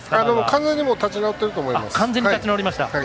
完全に立ち直ってると思います。